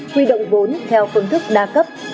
quy động vốn theo phương thức đa cấp